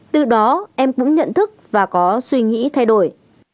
từ đó em cũng nhận thức và có suy nghĩ thay đổi